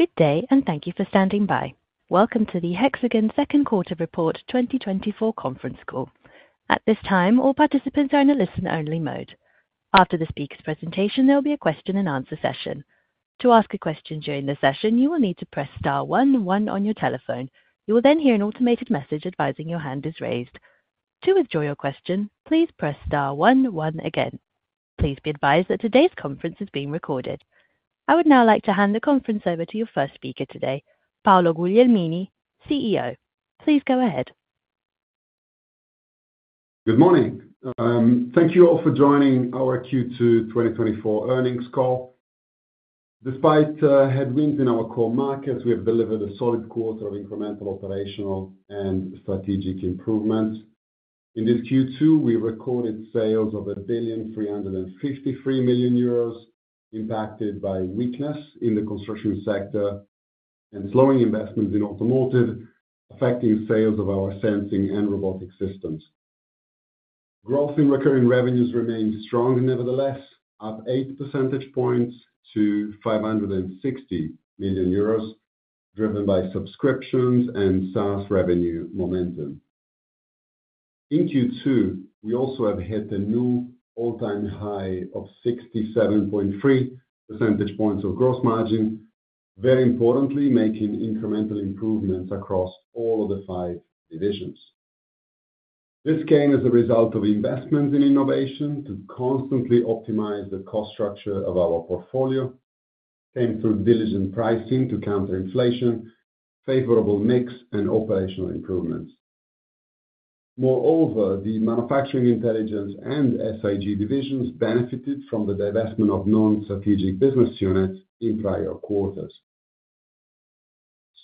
Good day, and thank you for standing by. Welcome to the Hexagon Second Quarter Report 2024 conference call. At this time, all participants are in a listen-only mode. After the speaker's presentation, there will be a question-and-answer session. To ask a question during the session, you will need to press star one one on your telephone. You will then hear an automated message advising your hand is raised. To withdraw your question, please press star one one again. Please be advised that today's conference is being recorded. I would now like to hand the conference over to your first speaker today, Paolo Guglielmini, CEO. Please go ahead. Good morning. Thank you all for joining our Q2 2024 earnings call. Despite headwinds in our core markets, we have delivered a solid quarter of incremental operational and strategic improvements. In this Q2, we recorded sales of 1,353 million euros impacted by weakness in the construction sector and slowing investments in automotive, affecting sales of our sensing and robotic systems. Growth in recurring revenues remains strong nevertheless, up 8 percentage points to 560 million euros, driven by subscriptions and SaaS revenue momentum. In Q2, we also have hit a new all-time high of 67.3 percentage points of gross margin, very importantly making incremental improvements across all of the five divisions. This gain is a result of investments in innovation to constantly optimize the cost structure of our portfolio, came through diligent pricing to counter inflation, favorable mix, and operational improvements. Moreover, the Manufacturing Intelligence and SIG divisions benefited from the divestment of non-strategic business units in prior quarters.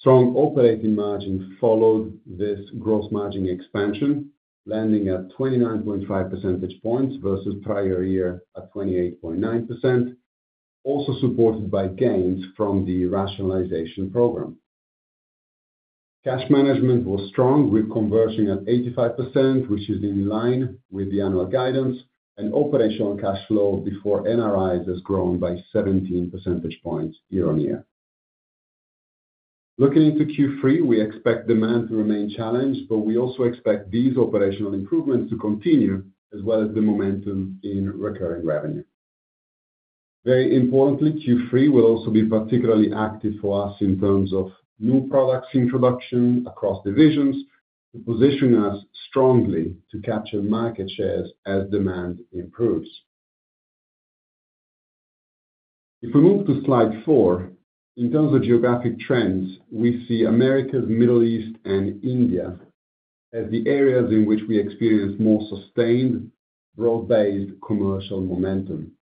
Strong operating margin followed this gross margin expansion, landing at 29.5 percentage points versus prior year at 28.9%, also supported by gains from the rationalization program. Cash management was strong, with conversion at 85%, which is in line with the annual guidance, and operational cash flow before NRIs has grown by 17 percentage points year-over-year. Looking into Q3, we expect demand to remain challenged, but we also expect these operational improvements to continue, as well as the momentum in recurring revenue. Very importantly, Q3 will also be particularly active for us in terms of new products introduction across divisions to position us strongly to capture market shares as demand improves. If we move to slide four, in terms of geographic trends, we see Americas, the Middle East, and India as the areas in which we experience more sustained broad-based commercial momentum.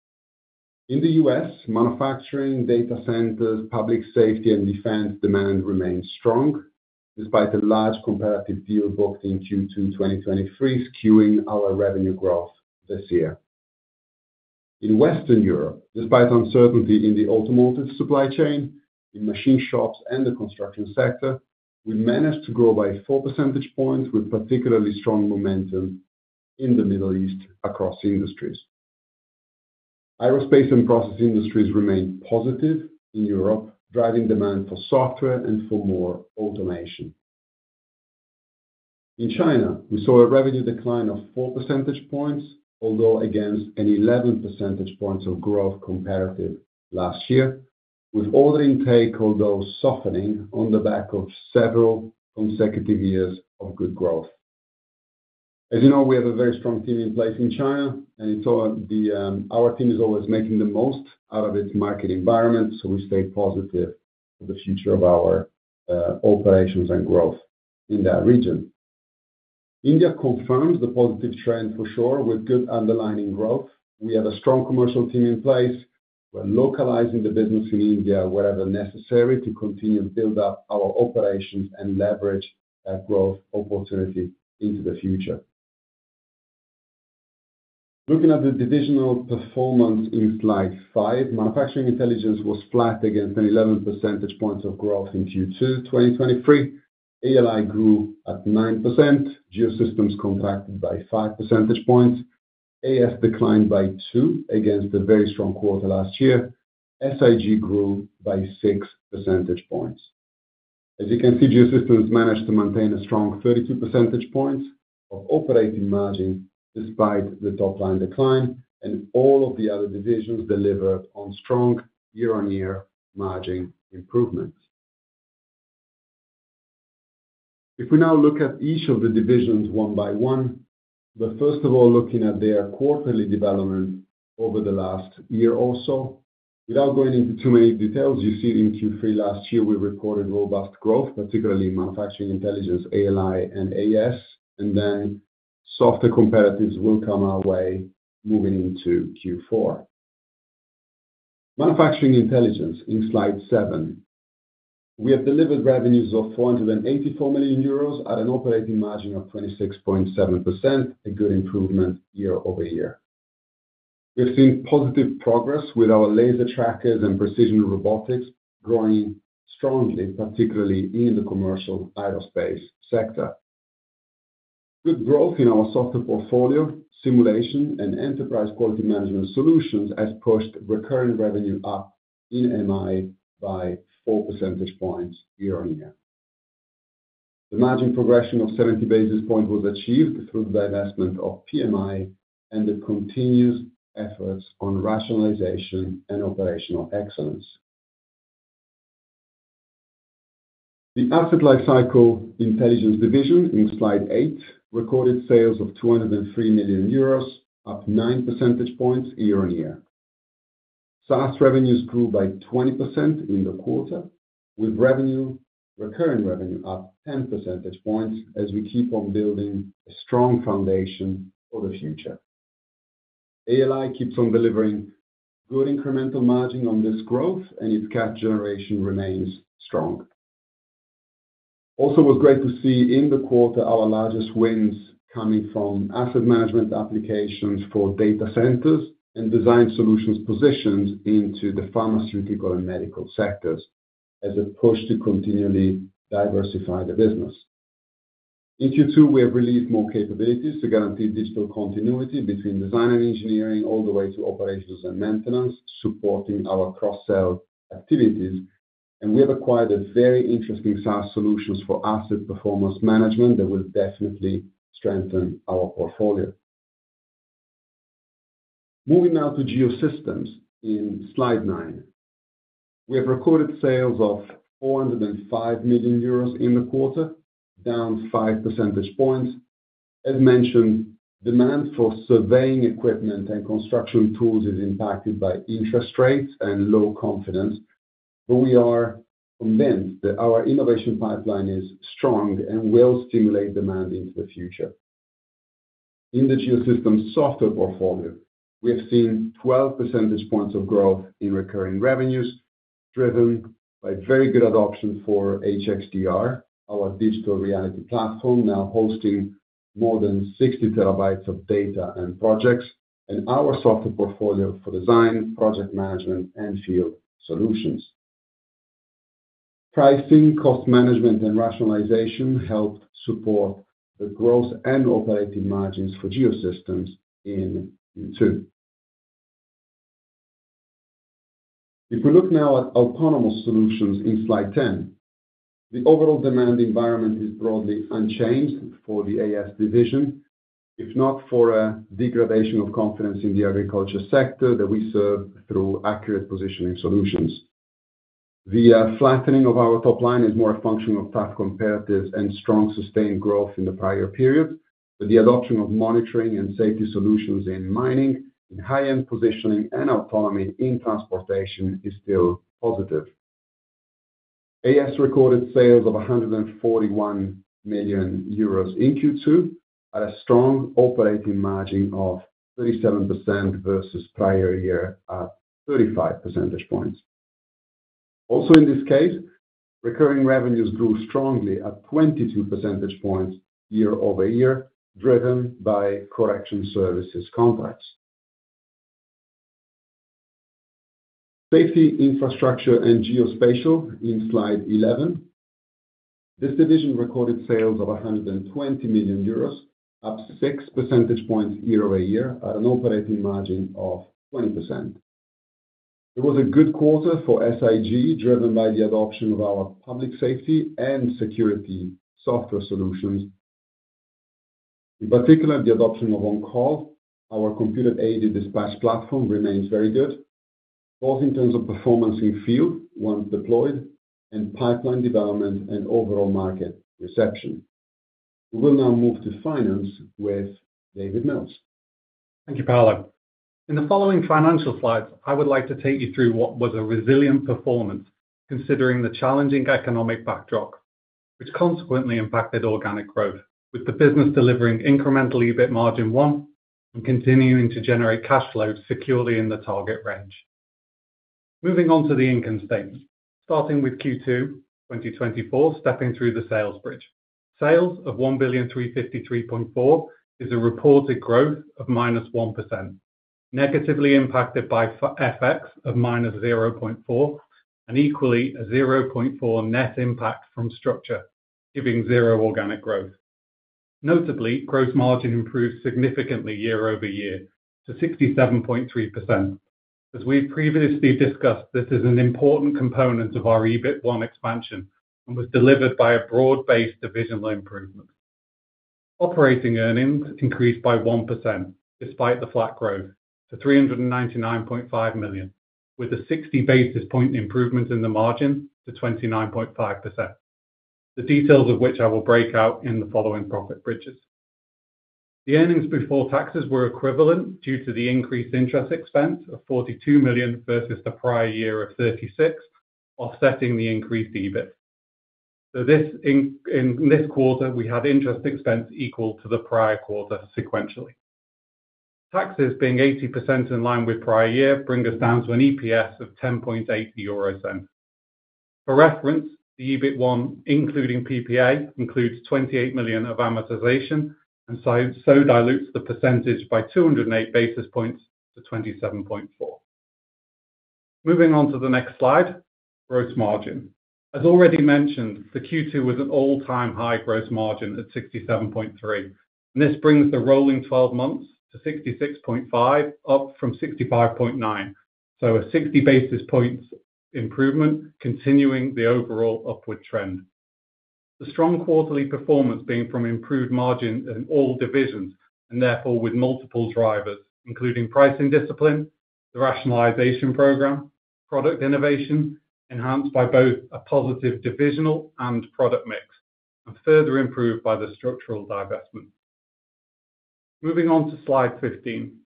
In the U.S., manufacturing, data centers, public safety, and defense demand remain strong, despite a large comparative deal booked in Q2 2023 skewing our revenue growth this year. In Western Europe, despite uncertainty in the automotive supply chain, in machine shops, and the construction sector, we managed to grow by 4 percentage points with particularly strong momentum in the Middle East across industries. Aerospace and process industries remain positive in Europe, driving demand for software and for more automation. In China, we saw a revenue decline of 4 percentage points, although against an 11 percentage points of growth comparative last year, with order intake softening on the back of several consecutive years of good growth. As you know, we have a very strong team in place in China, and our team is always making the most out of its market environment, so we stay positive for the future of our operations and growth in that region. India confirms the positive trend for sure, with good underlying growth. We have a strong commercial team in place. We're localizing the business in India wherever necessary to continue to build up our operations and leverage that growth opportunity into the future. Looking at the divisional performance in slide five, Manufacturing Intelligence was flat against an 11 percentage points of growth in Q2 2023. ALI grew at 9%. Geosystems contracted by 5 percentage points. AS declined by two against a very strong quarter last year. SIG grew by 6 percentage points. As you can see, Geosystems managed to maintain a strong 32 percentage points of operating margin despite the top-line decline, and all of the other divisions delivered on strong year-over-year margin improvements. If we now look at each of the divisions one by one, but first of all, looking at their quarterly development over the last year or so, without going into too many details, you see in Q3 last year we recorded robust growth, particularly in Manufacturing Intelligence, ALI, and AS, and then softer comparatives will come our way moving into Q4. Manufacturing Intelligence in slide seven. We have delivered revenues of 484 million euros at an operating margin of 26.7%, a good improvement year-over-year. We've seen positive progress with our laser trackers and precision robotics growing strongly, particularly in the commercial aerospace sector. Good growth in our software portfolio, simulation, and enterprise quality management solutions has pushed recurring revenue up in MI by 4 percentage points year-on-year. The margin progression of 70 basis points was achieved through the divestment of PMI and the continuous efforts on rationalization and operational excellence. The asset life cycle intelligence division in slide eight recorded sales of 203 million euros, up 9 percentage points year-on-year. SaaS revenues grew by 20% in the quarter, with recurring revenue up 10 percentage points as we keep on building a strong foundation for the future. ALI keeps on delivering good incremental margin on this growth, and its cash generation remains strong. Also, it was great to see in the quarter our largest wins coming from asset management applications for data centers and design solutions positions into the pharmaceutical and medical sectors as a push to continually diversify the business. In Q2, we have released more capabilities to guarantee digital continuity between design and engineering all the way to operations and maintenance, supporting our cross-sell activities, and we have acquired a very interesting SaaS solutions for asset performance management that will definitely strengthen our portfolio. Moving now to Geosystems in slide nine. We have recorded sales of 405 million euros in the quarter, down 5 percentage points. As mentioned, demand for surveying equipment and construction tools is impacted by interest rates and low confidence, but we are convinced that our innovation pipeline is strong and will stimulate demand into the future. In the Geosystems software portfolio, we have seen 12 percentage points of growth in recurring revenues, driven by very good adoption for HXDR, our digital reality platform now hosting more than 60 TB of data and projects, and our software portfolio for design, project management, and field solutions. Pricing, cost management, and rationalization helped support the growth and operating margins for Geosystems in Q2. If we look now at autonomous solutions in slide 10, the overall demand environment is broadly unchanged for the AS division, if not for a degradation of confidence in the agriculture sector that we serve through accurate positioning solutions. The flattening of our top line is more a function of tough comparatives and strong sustained growth in the prior period, but the adoption of monitoring and safety solutions in mining, in high-end positioning, and autonomy in transportation is still positive. AS recorded sales of 141 million euros in Q2 at a strong operating margin of 37% versus prior year at 35 percentage points. Also, in this case, recurring revenues grew strongly at 22 percentage points year over year, driven by correction services contracts. Safety, infrastructure, and geospatial in slide 11. This division recorded sales of 120 million euros, up 6 percentage points year-over-year at an operating margin of 20%. It was a good quarter for SIG, driven by the adoption of our public safety and security software solutions. In particular, the adoption of OnCall, our computer-aided dispatch platform, remains very good, both in terms of performance in field once deployed and pipeline development and overall market reception. We will now move to finance with David Mills. Thank you, Paolo. In the following financial slides, I would like to take you through what was a resilient performance considering the challenging economic backdrop, which consequently impacted organic growth, with the business delivering incremental EBIT1 margin and continuing to generate cash flow securely in the target range. Moving on to the income statement, starting with Q2 2024, stepping through the sales bridge. Sales of 1.3534 billion is a reported growth of -1%, negatively impacted by FX of -0.4% and equally a +0.4% net impact from structure, giving zero organic growth. Notably, gross margin improved significantly year-over-year to 67.3%. As we've previously discussed, this is an important component of our EBIT1 expansion and was delivered by a broad-based divisional improvement. Operating earnings increased by 1% despite the flat growth to 399.5 million, with a 60 basis point improvement in the margin to 29.5%, the details of which I will break out in the following profit bridges. The earnings before taxes were equivalent due to the increased interest expense of 42 million versus the prior year of 36 million, offsetting the increased EBIT. So in this quarter, we had interest expense equal to the prior quarter sequentially. Taxes being 80% in line with prior year bring us down to an EPS of 10.80 euro. For reference, the EBIT1, including PPA, includes 28 million of amortization and so dilutes the percentage by 208 basis points to 27.4%. Moving on to the next slide, gross margin. As already mentioned, the Q2 was an all-time high gross margin at 67.3, and this brings the rolling 12 months to 66.5, up from 65.9, so a 60 basis points improvement continuing the overall upward trend. The strong quarterly performance being from improved margin in all divisions and therefore with multiple drivers, including pricing discipline, the Rationalization Program, product innovation, enhanced by both a positive divisional and product mix, and further improved by the structural divestment. Moving on to slide 15.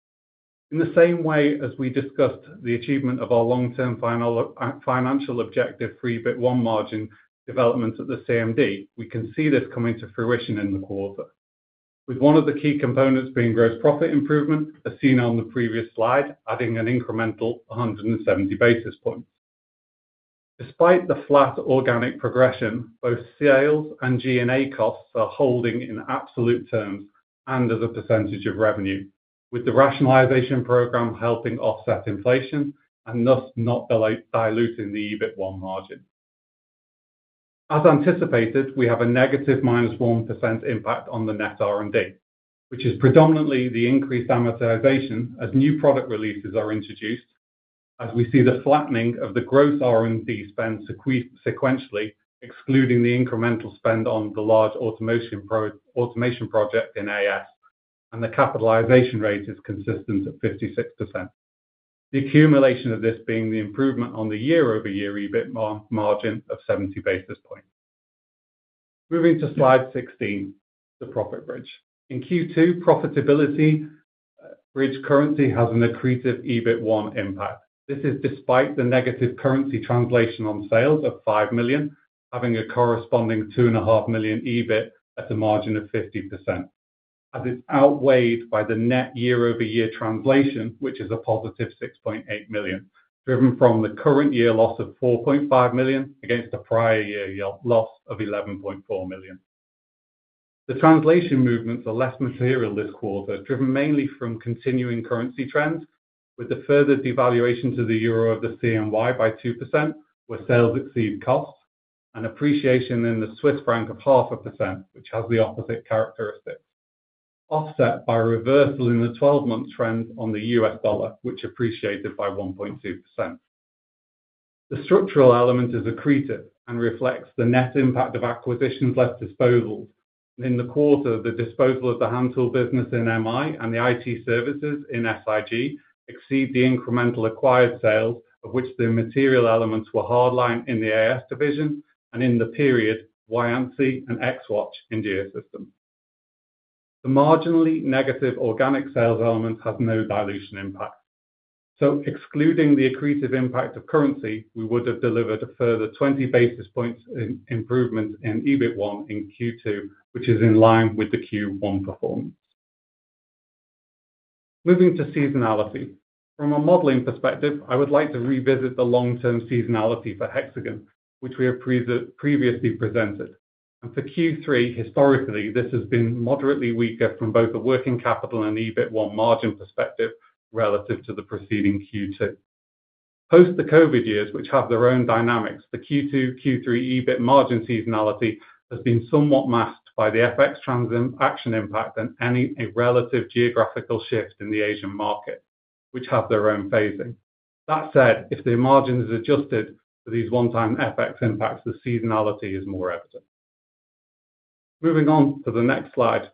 In the same way as we discussed the achievement of our long-term financial objective for EBIT1 margin development at the CMD, we can see this coming to fruition in the quarter, with one of the key components being gross profit improvement, as seen on the previous slide, adding an incremental 170 basis points. Despite the flat organic progression, both sales and G&A costs are holding in absolute terms and as a percentage of revenue, with the Rationalization Program helping offset inflation and thus not diluting the EBIT1 margin. As anticipated, we have a negative -1% impact on the net R&D, which is predominantly the increased amortization as new product releases are introduced, as we see the flattening of the gross R&D spend sequentially, excluding the incremental spend on the large automation project in AS, and the capitalization rate is consistent at 56%. The accumulation of this being the improvement on the year-over-year EBIT margin of 70 basis points. Moving to slide 16, the profit bridge. In Q2, profitability bridge currently has an accretive EBIT1 impact. This is despite the negative currency translation on sales of 5 million, having a corresponding 2.5 million EBIT at a margin of 50%, as it's outweighed by the net year-over-year translation, which is a positive 6.8 million, driven from the current year loss of 4.5 million against the prior year loss of 11.4 million. The translation movements are less material this quarter, driven mainly from continuing currency trends, with the further devaluation to the euro of the CNY by 2%, where sales exceed costs, and appreciation in the Swiss franc of 0.5%, which has the opposite characteristics, offset by a reversal in the 12-month trend on the US dollar, which appreciated by 1.2%. The structural element is accretive and reflects the net impact of acquisitions left disposable. In the quarter, the disposal of the hand tool business in MI and the IT services in SIG exceed the incremental acquired sales, of which the material elements were Hard-Line in the AS division and in the period Voyansi and Xwatch in Geosystems. The marginally negative organic sales element has no dilution impact. So excluding the accretive impact of currency, we would have delivered a further 20 basis points improvement in EBIT one in Q2, which is in line with the Q1 performance. Moving to seasonality. From a modeling perspective, I would like to revisit the long-term seasonality for Hexagon, which we have previously presented. For Q3, historically, this has been moderately weaker from both a working capital and EBIT one margin perspective relative to the preceding Q2. Post the COVID years, which have their own dynamics, the Q2, Q3 EBIT margin seasonality has been somewhat masked by the FX transaction impact and any relative geographical shift in the Asian market, which have their own phasing. That said, if the margins are adjusted for these one-time FX impacts, the seasonality is more evident. Moving on to the next slide,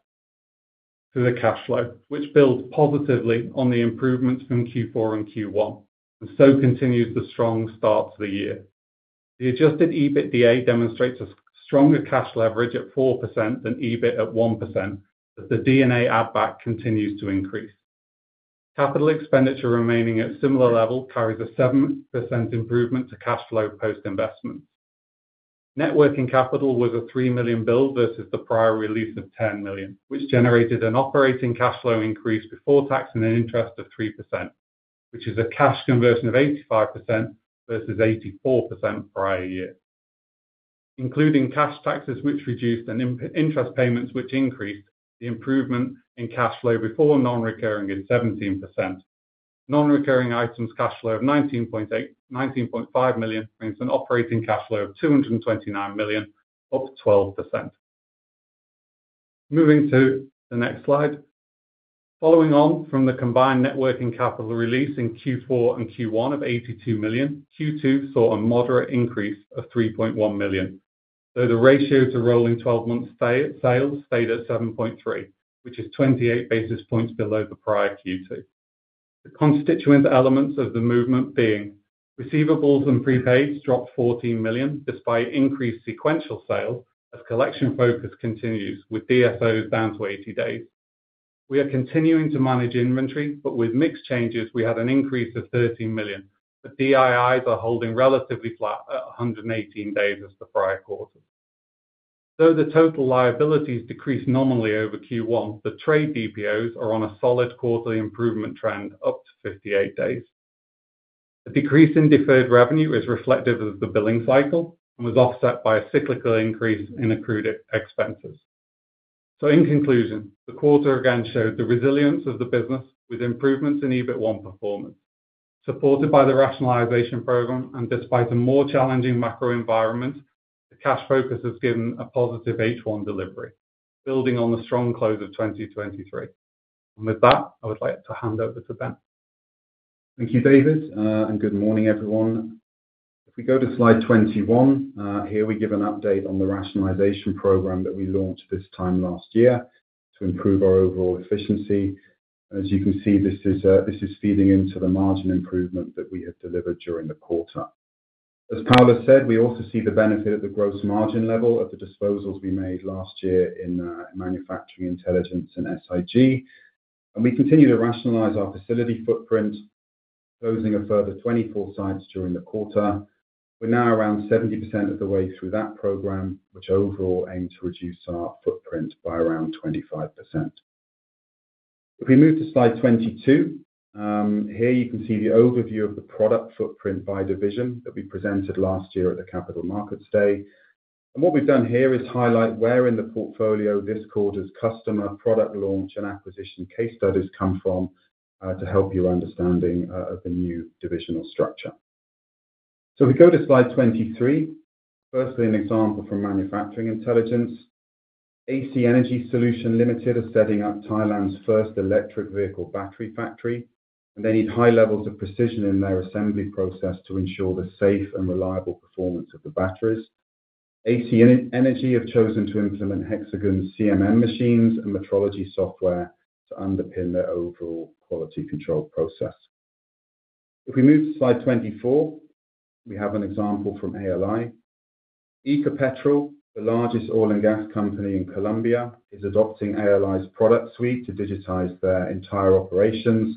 to the cash flow, which builds positively on the improvements from Q4 and Q1, and so continues the strong start to the year. The adjusted EBITDA demonstrates a stronger cash leverage at 4% than EBIT at 1%, as the D&A add-back continues to increase. Capital expenditure remaining at similar levels carries a 7% improvement to cash flow post-investments. Net working capital was a 3 million build versus the prior release of 10 million, which generated an operating cash flow increase before tax and an interest of 3%, which is a cash conversion of 85% versus 84% prior year. Including cash taxes, which reduced, and interest payments, which increased, the improvement in cash flow before non-recurring is 17%. Non-recurring items cash flow of 19.5 million brings an operating cash flow of 229 million, up 12%. Moving to the next slide. Following on from the combined net working capital release in Q4 and Q1 of 82 million, Q2 saw a moderate increase of 3.1 million, though the ratio to rolling 12-month sales stayed at 7.3, which is 28 basis points below the prior Q2. The constituent elements of the movement being receivables and prepaids dropped 14 million, despite increased sequential sales as collection focus continues with DSOs down to 80 days. We are continuing to manage inventory, but with mixed changes, we had an increase of 13 million, but DIIs are holding relatively flat at 118 days as the prior quarter. Though the total liabilities decreased normally over Q1, the trade DPOs are on a solid quarterly improvement trend up to 58 days. The decrease in deferred revenue is reflective of the billing cycle and was offset by a cyclical increase in accrued expenses. So in conclusion, the quarter again showed the resilience of the business with improvements in EBIT1 performance, supported by the rationalization program, and despite a more challenging macro environment, the cash focus has given a positive H1 delivery, building on the strong close of 2023. And with that, I would like to hand over to Ben. Thank you, David, and good morning, everyone. If we go to slide 21, here we give an update on the rationalization program that we launched this time last year to improve our overall efficiency. As you can see, this is feeding into the margin improvement that we have delivered during the quarter. As Paolo said, we also see the benefit at the gross margin level of the disposals we made last year in Manufacturing Intelligence and SIG. And we continue to rationalize our facility footprint, closing a further 24 sites during the quarter. We're now around 70% of the way through that program, which overall aims to reduce our footprint by around 25%. If we move to slide 22, here you can see the overview of the product footprint by division that we presented last year at the Capital Markets Day. What we've done here is highlight where in the portfolio this quarter's customer product launch and acquisition case studies come from to help your understanding of the new divisional structure. So if we go to slide 23, firstly, an example from manufacturing intelligence. A C Energy Solution Ltd are setting up Thailand's first electric vehicle battery factory, and they need high levels of precision in their assembly process to ensure the safe and reliable performance of the batteries. A C Energy have chosen to implement Hexagon's CMM machines and metrology software to underpin their overall quality control process. If we move to slide 24, we have an example from ALI. Ecopetrol, the largest oil and gas company in Colombia, is adopting ALI's product suite to digitize their entire operations,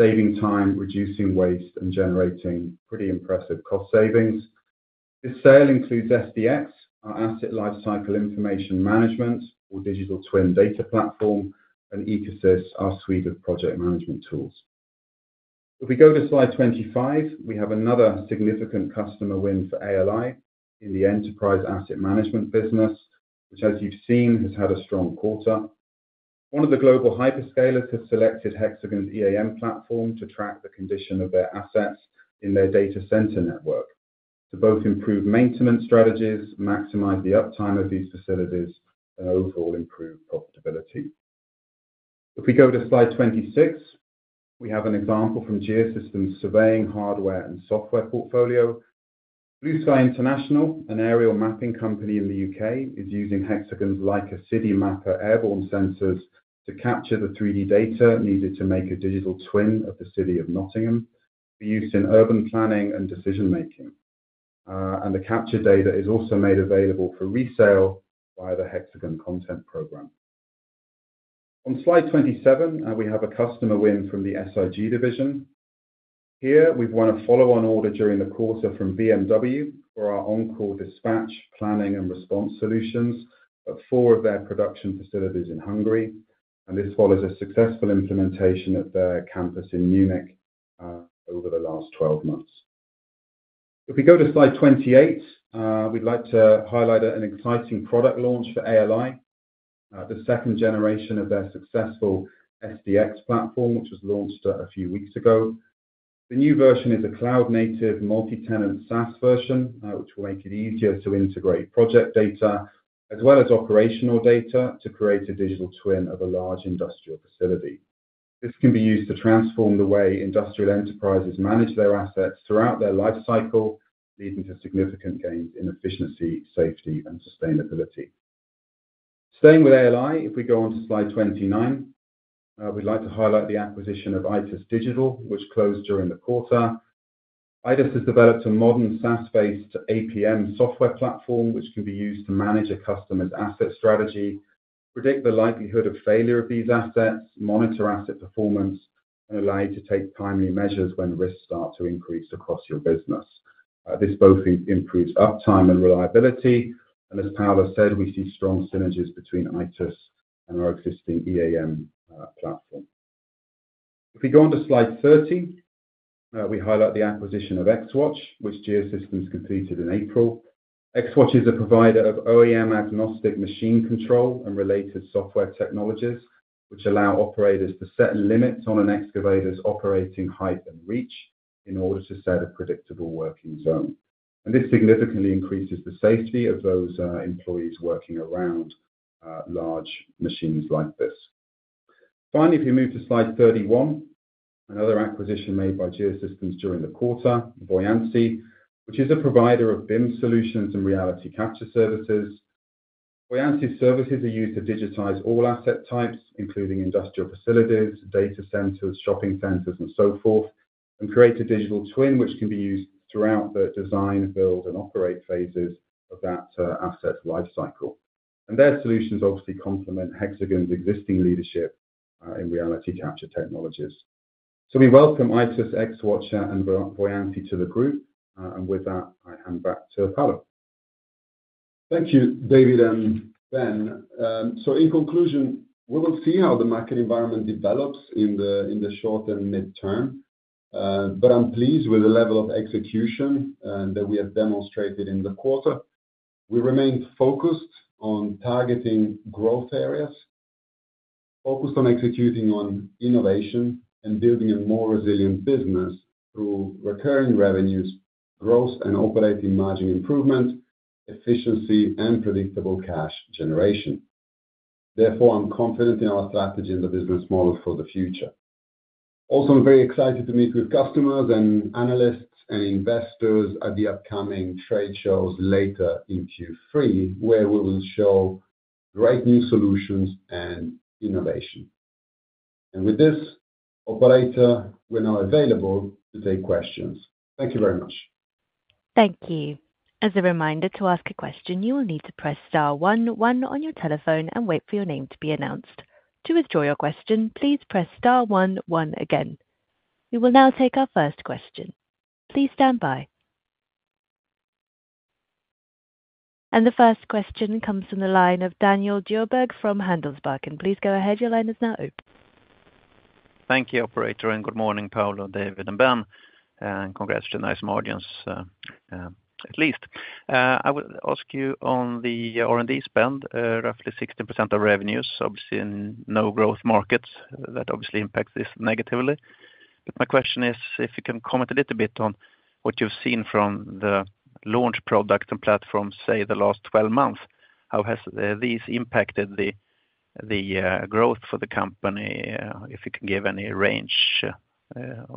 saving time, reducing waste, and generating pretty impressive cost savings. This sale includes SDX, our asset lifecycle information management, our digital twin data platform, and EcoSys, our suite of project management tools. If we go to slide 25, we have another significant customer win for ALI in the enterprise asset management business, which, as you've seen, has had a strong quarter. One of the global hyperscalers has selected Hexagon's EAM platform to track the condition of their assets in their data center network, to both improve maintenance strategies, maximize the uptime of these facilities, and overall improve profitability. If we go to slide 26, we have an example from Geosystems' surveying hardware and software portfolio. Bluesky International, an aerial mapping company in the U.K., is using Hexagon's Leica CityMapper airborne sensors to capture the 3D data needed to make a digital twin of the city of Nottingham for use in urban planning and decision-making. The capture data is also made available for resale via the Hexagon content program. On slide 27, we have a customer win from the SIG division. Here, we've won a follow-on order during the quarter from BMW for our OnCall dispatch, planning, and response solutions at four of their production facilities in Hungary. And this follows a successful implementation at their campus in Munich over the last 12 months. If we go to slide 28, we'd like to highlight an exciting product launch for ALI, the second generation of their successful SDX platform, which was launched a few weeks ago. The new version is a cloud-native multi-tenant SaaS version, which will make it easier to integrate project data as well as operational data to create a digital twin of a large industrial facility. This can be used to transform the way industrial enterprises manage their assets throughout their lifecycle, leading to significant gains in efficiency, safety, and sustainability. Staying with ALI, if we go on to slide 29, we'd like to highlight the acquisition of Itus Digital, which closed during the quarter. Itus has developed a modern SaaS-based APM software platform, which can be used to manage a customer's asset strategy, predict the likelihood of failure of these assets, monitor asset performance, and allow you to take timely measures when risks start to increase across your business. This both improves uptime and reliability. And as Paolo said, we see strong synergies between Itus and our existing EAM platform. If we go on to slide 30, we highlight the acquisition of Xwatch, which Geosystems completed in April. Xwatch is a provider of OEM-agnostic machine control and related software technologies, which allow operators to set limits on an excavator's operating height and reach in order to set a predictable working zone. This significantly increases the safety of those employees working around large machines like this. Finally, if we move to slide 31, another acquisition made by Geosystems during the quarter, Voyansi, which is a provider of BIM solutions and reality capture services. Voyansi's services are used to digitize all asset types, including industrial facilities, data centers, shopping centers, and so forth, and create a digital twin which can be used throughout the design, build, and operate phases of that asset lifecycle. Their solutions obviously complement Hexagon's existing leadership in reality capture technologies. So we welcome Itus, Xwatch, and Voyansi to the group. With that, I hand back to Paolo. Thank you, David and Ben. So in conclusion, we will see how the market environment develops in the short and midterm, but I'm pleased with the level of execution that we have demonstrated in the quarter. We remain focused on targeting growth areas, focused on executing on innovation and building a more resilient business through recurring revenues, growth, and operating margin improvement, efficiency, and predictable cash generation. Therefore, I'm confident in our strategy and the business model for the future. Also, I'm very excited to meet with customers and analysts and investors at the upcoming trade shows later in Q3, where we will show great new solutions and innovation. And with this operator, we're now available to take questions. Thank you very much. Thank you. As a reminder, to ask a question, you will need to press star one one on your telephone and wait for your name to be announced. To withdraw your question, please press star one one again. We will now take our first question. Please stand by. And the first question comes from the line of Daniel Djurberg from Handelsbanken. Please go ahead. Your line is now open. Thank you, operator, and good morning, Paolo, David, and Ben. And congrats to the nice audience, at least. I will ask you on the R&D spend, roughly 16% of revenues, obviously in no-growth markets, that obviously impacts this negatively. But my question is, if you can comment a little bit on what you've seen from the launch product and platform, say, the last 12 months, how has these impacted the growth for the company? If you can give any range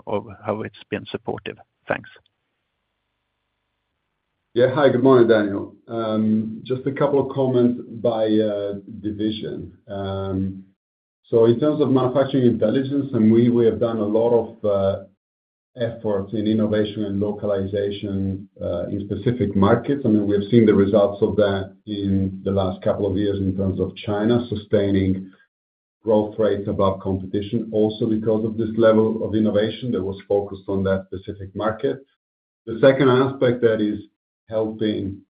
of how it's been supportive. Thanks. Yeah, hi, good morning, Daniel. Just a couple of comments by division. So in terms of Manufacturing Intelligence, we have done a lot of effort in innovation and localization in specific markets. I mean, we have seen the results of that in the last couple of years in terms of China sustaining growth rates above competition, also because of this level of innovation that was focused on that specific market. The second aspect that is helping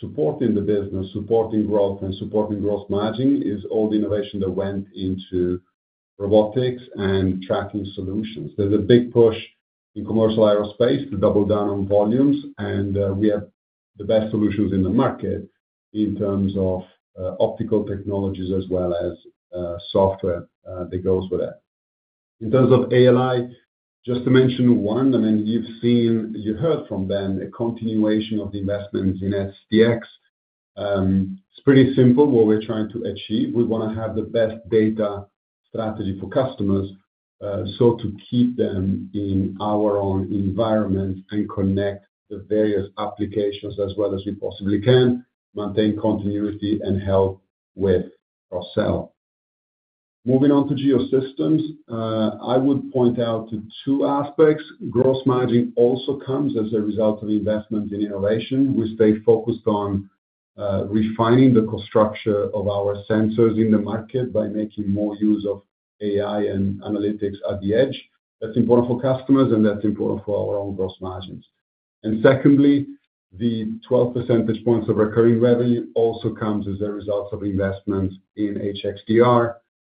support in the business, supporting growth and supporting gross margin is all the innovation that went into robotics and tracking solutions. There's a big push in commercial aerospace to double down on volumes, and we have the best solutions in the market in terms of optical technologies as well as software that goes with it. In terms of ALI, just to mention one, I mean, you've seen, you heard from Ben, a continuation of the investments in SDX. It's pretty simple what we're trying to achieve. We want to have the best data strategy for customers so to keep them in our own environment and connect the various applications as well as we possibly can, maintain continuity, and help with ourselves. Moving on to Geosystems, I would point out two aspects. Gross margin also comes as a result of investment in innovation. We stay focused on refining the construction of our sensors in the market by making more use of AI and analytics at the edge. That's important for customers, and that's important for our own gross margins. And secondly, the 12 percentage points of recurring revenue also comes as a result of investment in HXDR.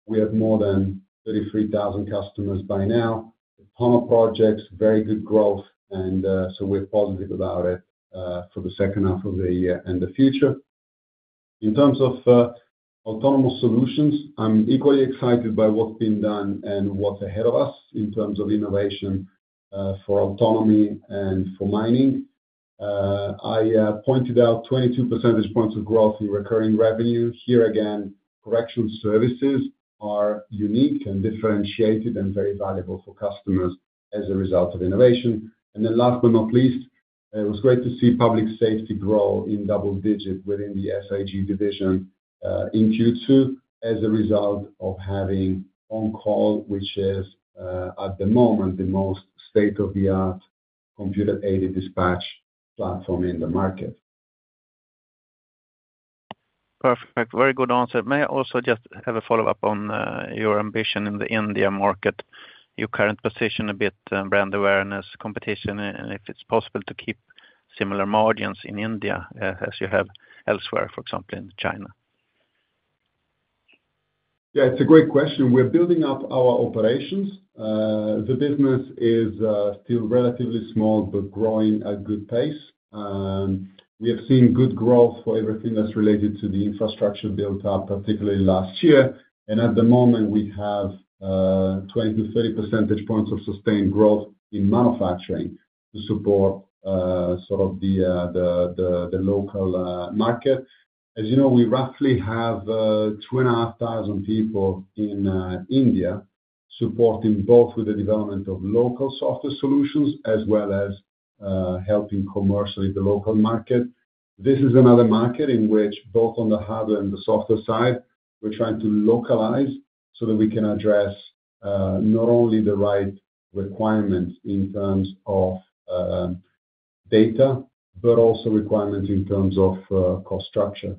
We have more than 33,000 customers by now, a ton of projects, very good growth, and so we're positive about it for the second half of the year and the future. In terms of autonomous solutions, I'm equally excited by what's been done and what's ahead of us in terms of innovation for autonomy and for mining. I pointed out 22 percentage points of growth in recurring revenue. Here again, correction services are unique and differentiated and very valuable for customers as a result of innovation. And then last but not least, it was great to see public safety grow in double-digit within the SIG division in Q2 as a result of having OnCall, which is at the moment the most state-of-the-art computer-aided dispatch platform in the market. Perfect. Very good answer. May I also just have a follow-up on your ambition in the India market, your current position a bit, brand awareness, competition, and if it's possible to keep similar margins in India as you have elsewhere, for example, in China? Yeah, it's a great question. We're building up our operations. The business is still relatively small, but growing at a good pace. We have seen good growth for everything that's related to the infrastructure built up, particularly last year. And at the moment, we have 20-30 percentage points of sustained growth in manufacturing to support sort of the local market. As you know, we roughly have 2,500 people in India supporting both with the development of local software solutions as well as helping commercially the local market. This is another market in which both on the hardware and the software side, we're trying to localize so that we can address not only the right requirements in terms of data, but also requirements in terms of cost structure.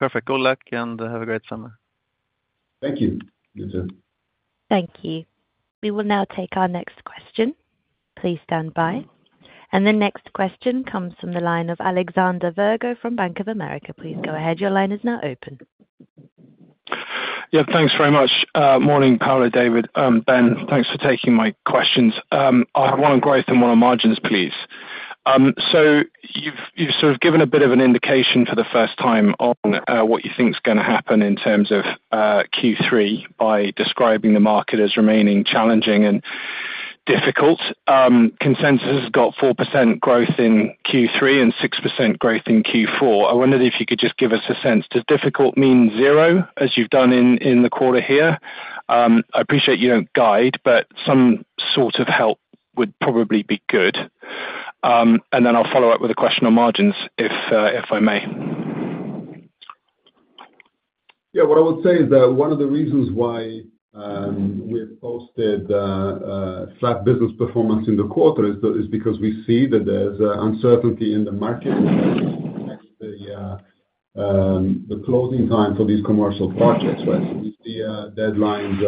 Perfect. Good luck and have a great summer. Thank you. You too. Thank you. We will now take our next question. Please stand by. The next question comes from the line of Alexander Virgo from Bank of America. Please go ahead. Your line is now open. Yeah, thanks very much. Morning, Paolo, David, Ben. Thanks for taking my questions. I have one on growth and one on margins, please. So you've sort of given a bit of an indication for the first time on what you think is going to happen in terms of Q3 by describing the market as remaining challenging and difficult. Consensus has got 4% growth in Q3 and 6% growth in Q4. I wondered if you could just give us a sense. Does difficult mean zero, as you've done in the quarter here? I appreciate you don't guide, but some sort of help would probably be good. And then I'll follow up with a question on margins, if I may. Yeah, what I would say is that one of the reasons why we've posted flat business performance in the quarter is because we see that there's uncertainty in the market in terms of the closing time for these commercial projects, right? So we see deadlines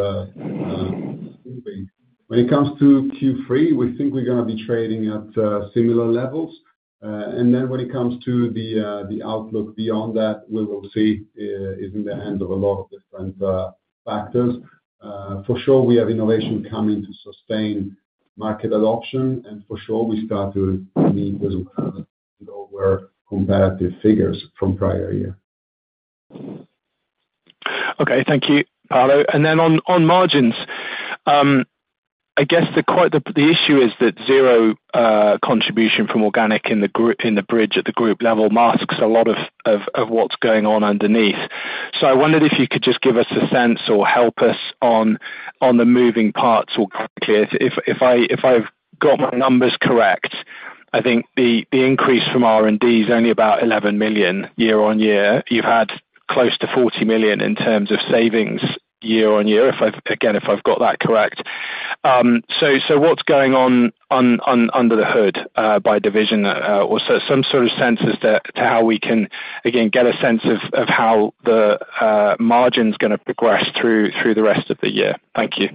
moving. When it comes to Q3, we think we're going to be trading at similar levels. And then when it comes to the outlook beyond that, we will see, it is in the hands of a lot of different factors. For sure, we have innovation coming to sustain market adoption, and for sure, we start to meet with lower comparative figures from prior year. Okay, thank you, Paolo. And then on margins, I guess the issue is that zero contribution from organic in the bridge at the group level masks a lot of what's going on underneath. So I wondered if you could just give us a sense or help us on the moving parts more quickly. If I've got my numbers correct, I think the increase from R&D is only about 11 million year-on-year. You've had close to 40 million in terms of savings year-on-year, again, if I've got that correct. So what's going on under the hood by division or some sort of sense as to how we can, again, get a sense of how the margin's going to progress through the rest of the year? Thank you.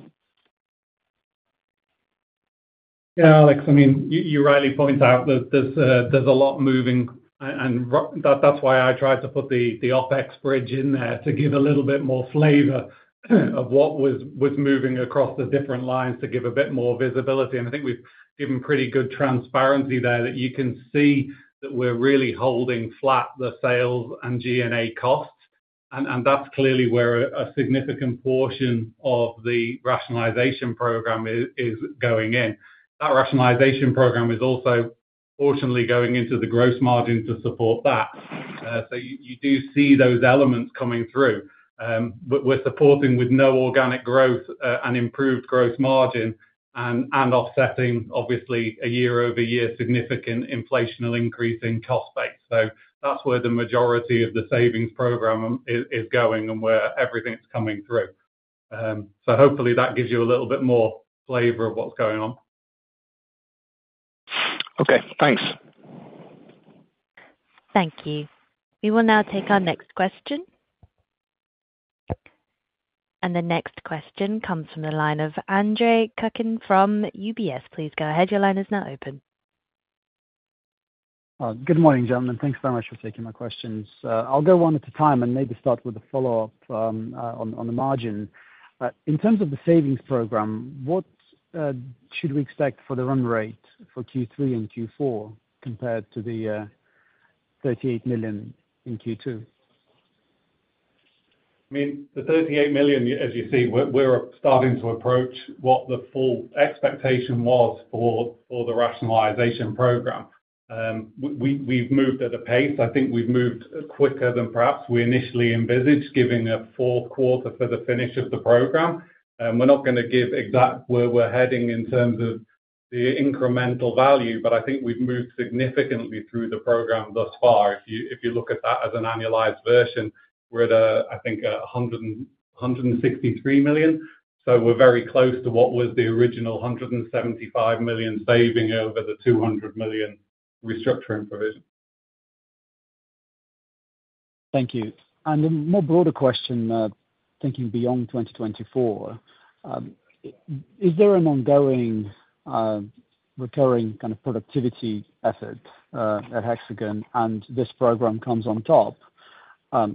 Yeah, Alex, I mean, you rightly point out that there's a lot moving, and that's why I tried to put the OpEx bridge in there to give a little bit more flavor of what was moving across the different lines to give a bit more visibility. I think we've given pretty good transparency there that you can see that we're really holding flat the sales and G&A costs. That's clearly where a significant portion of the rationalization program is going in. That rationalization program is also fortunately going into the gross margin to support that. So you do see those elements coming through. We're supporting with no organic growth and improved gross margin and offsetting, obviously, a year-over-year significant inflation increase in cost base. So that's where the majority of the savings program is going and where everything's coming through. Hopefully, that gives you a little bit more flavor of what's going on. Okay, thanks. Thank you. We will now take our next question. The next question comes from the line of Andre Kukhnin from UBS. Please go ahead. Your line is now open. Good morning, gentlemen. Thanks very much for taking my questions. I'll go one at a time and maybe start with a follow-up on the margin. In terms of the savings program, what should we expect for the run rate for Q3 and Q4 compared to the 38 million in Q2? I mean, the 38 million, as you see, we're starting to approach what the full expectation was for the Rationalization Program. We've moved at a pace. I think we've moved quicker than perhaps we initially envisaged giving a fourth quarter for the finish of the program. We're not going to give exact where we're heading in terms of the incremental value, but I think we've moved significantly through the program thus far. If you look at that as an annualized version, we're at, I think, 163 million. So we're very close to what was the original 175 million saving over the 200 million restructuring provision. Thank you. And a more broader question, thinking beyond 2024, is there an ongoing recurring kind of productivity effort at Hexagon and this program comes on top,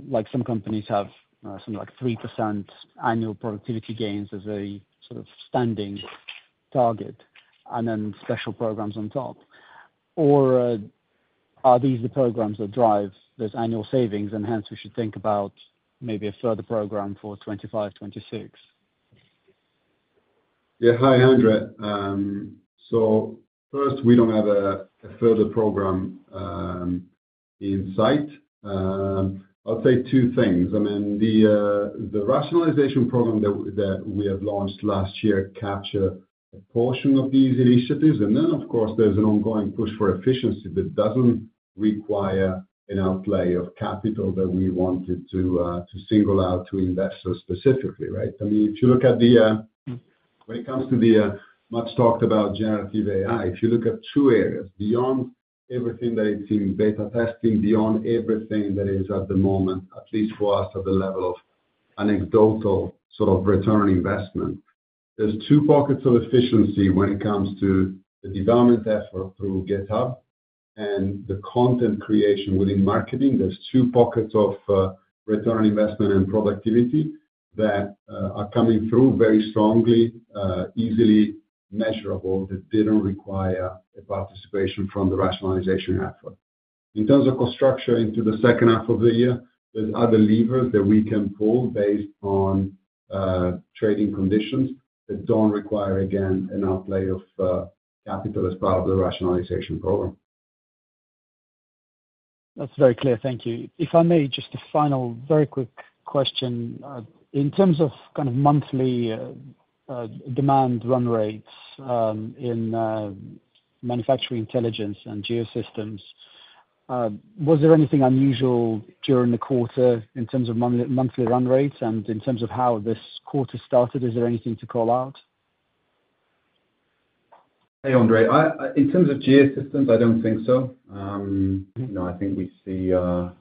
like some companies have something like 3% annual productivity gains as a sort of standing target and then special programs on top? Or are these the programs that drive this annual savings, and hence we should think about maybe a further program for 2025, 2026? Yeah, hi, Andre. So first, we don't have a further program in sight. I'll say two things. I mean, the Rationalization Program that we have launched last year captured a portion of these initiatives. And then, of course, there's an ongoing push for efficiency that doesn't require an outlay of capital that we wanted to single out to investors specifically, right? I mean, if you look at, when it comes to the much talked about generative AI, if you look at two areas, beyond everything that it's in beta testing, beyond everything that is at the moment, at least for us at the level of anecdotal sort of return on investment, there's two pockets of efficiency when it comes to the development effort through GitHub and the content creation within marketing. There's two pockets of return on investment and productivity that are coming through very strongly, easily measurable, that didn't require a participation from the rationalization effort. In terms of cost structure into the second half of the year, there's other levers that we can pull based on trading conditions that don't require, again, an outlay of capital as part of the rationalization program. That's very clear. Thank you. If I may, just a final very quick question. In terms of kind of monthly demand run rates in Manufacturing Intelligence and Geosystems, was there anything unusual during the quarter in terms of monthly run rates and in terms of how this quarter started? Is there anything to call out? Hey, Andre. In terms of Geosystems, I don't think so. I think we see a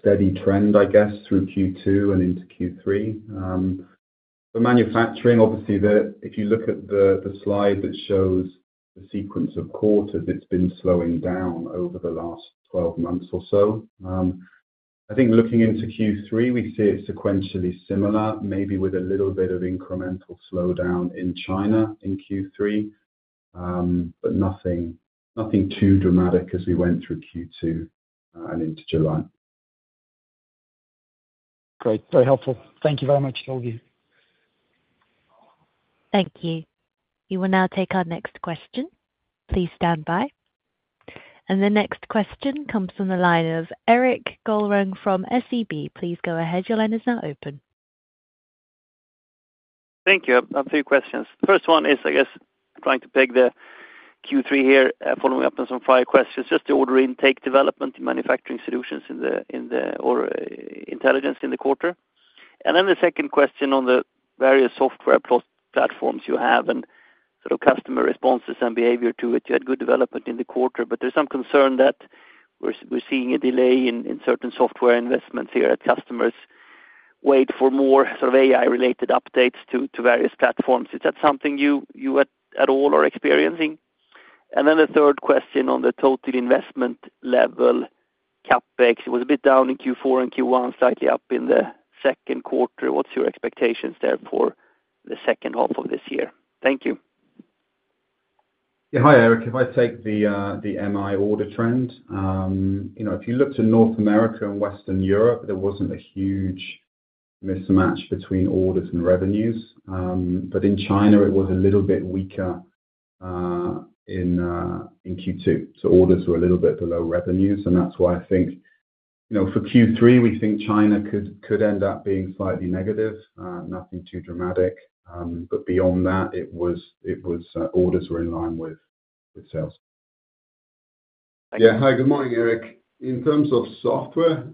steady trend, I guess, through Q2 and into Q3. For manufacturing, obviously, if you look at the slide that shows the sequence of quarters, it's been slowing down over the last 12 months or so. I think looking into Q3, we see it sequentially similar, maybe with a little bit of incremental slowdown in China in Q3, but nothing too dramatic as we went through Q2 and into July. Great. Very helpful. Thank you very much, Silvia. Thank you. We will now take our next question. Please stand by. The next question comes from the line of Erik Golrang from SEB. Please go ahead. Your line is now open. Thank you. I have two questions. The first one is, I guess, trying to peg the Q3 here, following up on some prior questions, just the order intake development in manufacturing solutions or intelligence in the quarter. And then the second question on the various software platforms you have and sort of customer responses and behavior to it. You had good development in the quarter, but there's some concern that we're seeing a delay in certain software investments here as customers wait for more sort of AI-related updates to various platforms. Is that something you at all are experiencing? And then the third question on the total investment level, CapEx, it was a bit down in Q4 and Q1, slightly up in the second quarter. What's your expectations there for the second half of this year? Thank you. Yeah, hi, Erik. If I take the MI order trend, if you look to North America and Western Europe, there wasn't a huge mismatch between orders and revenues. But in China, it was a little bit weaker in Q2. So orders were a little bit below revenues. And that's why I think for Q3, we think China could end up being slightly negative, nothing too dramatic. But beyond that, orders were in line with sales. Yeah, hi, good morning, Erik. In terms of software,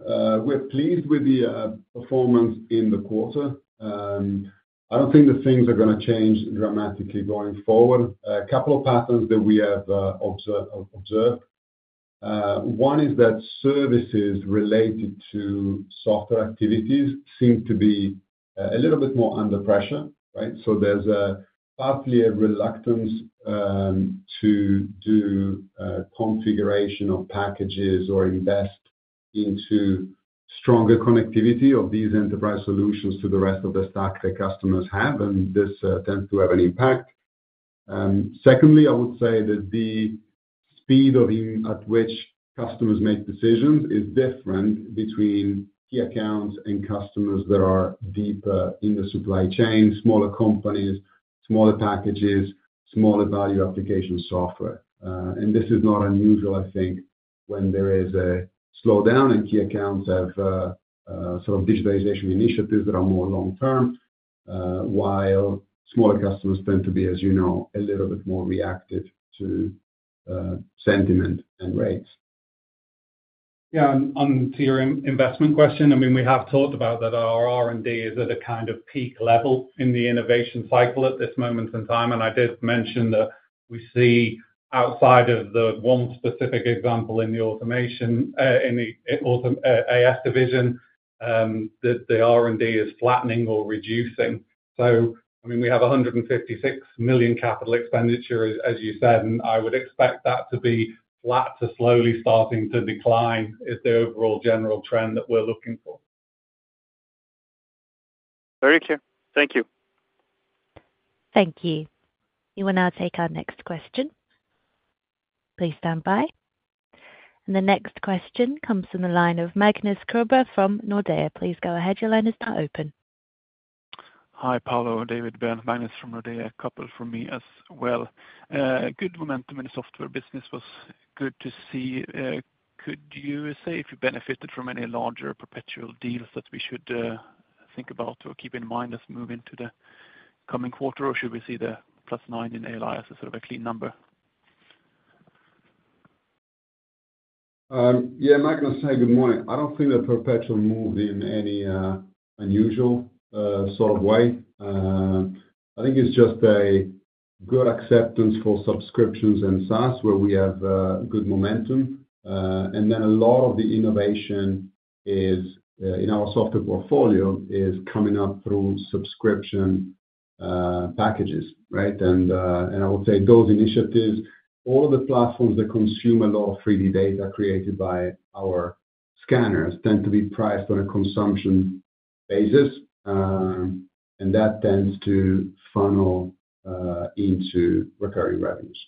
we're pleased with the performance in the quarter. I don't think the things are going to change dramatically going forward. A couple of patterns that we have observed. One is that services related to software activities seem to be a little bit more under pressure, right? So there's partly a reluctance to do configuration of packages or invest into stronger connectivity of these enterprise solutions to the rest of the stack that customers have, and this tends to have an impact. Secondly, I would say that the speed at which customers make decisions is different between key accounts and customers that are deeper in the supply chain, smaller companies, smaller packages, smaller value application software. And this is not unusual, I think, when there is a slowdown and key accounts have sort of digitalization initiatives that are more long-term, while smaller customers tend to be, as you know, a little bit more reactive to sentiment and rates. Yeah, to your investment question, I mean, we have talked about that our R&D is at a kind of peak level in the innovation cycle at this moment in time. I did mention that we see outside of the one specific example in the automation in the AS division, that the R&D is flattening or reducing. I mean, we have 156 million capital expenditure, as you said, and I would expect that to be flat to slowly starting to decline is the overall general trend that we're looking for. Very clear. Thank you. Thank you. We will now take our next question. Please stand by. The next question comes from the line of Magnus Kruber from Nordea. Please go ahead. Your line is now open. Hi, Paolo, David, Ben, Magnus from Nordea, a couple from me as well. Good momentum in the software business was good to see. Could you say if you benefited from any larger perpetual deals that we should think about or keep in mind as moving to the coming quarter, or should we see the +9 in ALI as a sort of a clean number? Yeah, Magnus, hi, good morning. I don't think the perpetual moved in any unusual sort of way. I think it's just a good acceptance for subscriptions and SaaS where we have good momentum. And then a lot of the innovation in our software portfolio is coming up through subscription packages, right? And I would say those initiatives, all of the platforms that consume a lot of 3D data created by our scanners tend to be priced on a consumption basis, and that tends to funnel into recurring revenues.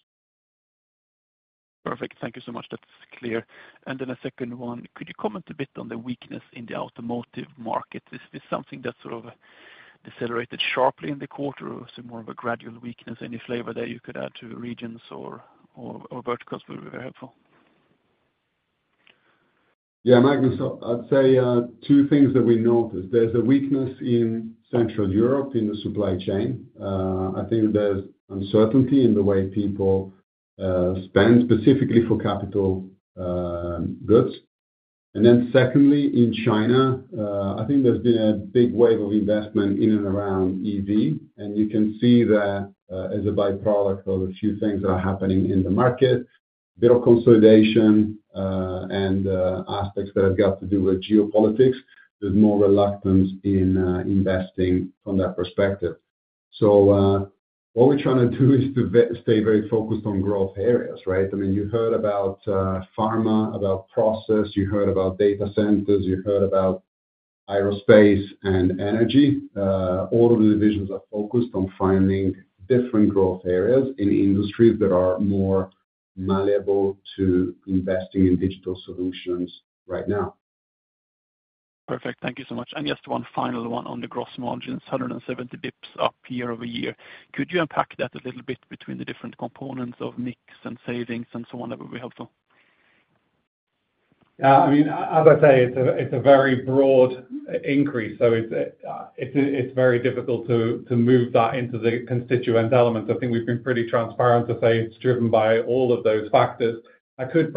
Perfect. Thank you so much. That's clear. And then a second one, could you comment a bit on the weakness in the automotive market? Is this something that sort of decelerated sharply in the quarter or some more of a gradual weakness? Any flavor that you could add to regions or verticals would be very helpful. Yeah, Magnus, I'd say two things that we noticed. There's a weakness in Central Europe in the supply chain. I think there's uncertainty in the way people spend specifically for capital goods. And then secondly, in China, I think there's been a big wave of investment in and around EV. And you can see that as a byproduct of a few things that are happening in the market, a bit of consolidation and aspects that have got to do with geopolitics. There's more reluctance in investing from that perspective. So what we're trying to do is to stay very focused on growth areas, right? I mean, you heard about pharma, about process, you heard about data centers, you heard about aerospace and energy. All of the divisions are focused on finding different growth areas in industries that are more malleable to investing in digital solutions right now. Perfect. Thank you so much. And just one final one on the gross margins, 170 basis points up year-over-year. Could you unpack that a little bit between the different components of mix and savings and so on. That would be helpful? Yeah, I mean, as I say, it's a very broad increase. So it's very difficult to move that into the constituent elements. I think we've been pretty transparent to say it's driven by all of those factors. I could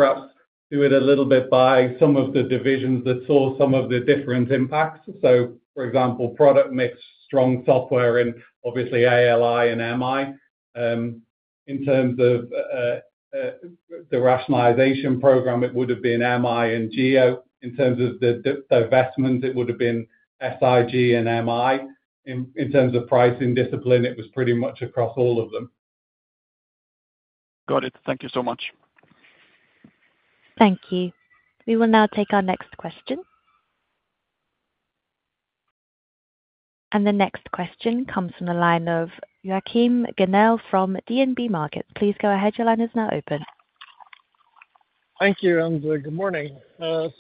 perhaps do it a little bit by some of the divisions that saw some of the different impacts. So, for example, product mix, strong software, and obviously ALI and MI. In terms of the rationalization program, it would have been MI and GEO. In terms of the investments, it would have been SIG and MI. In terms of pricing discipline, it was pretty much across all of them. Got it. Thank you so much. Thank you. We will now take our next question. The next question comes from the line of Joachim Gunell from DNB Markets. Please go ahead. Your line is now open. Thank you, and good morning. On